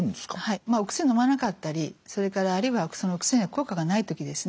お薬をのまなかったりそれからあるいはそのお薬が効果がない時ですね